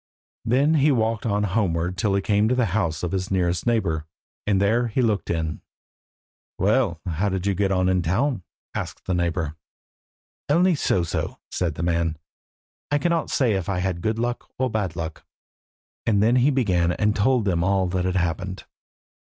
Then he walked on homeward till he came to the house of his nearest neighbour, and there he looked in. "Well, how did you get on at the town?" asked the neighbour. "Only so and so," said the man. "I cannot say I have had good or bad luck," and then he began and told them all that had happened.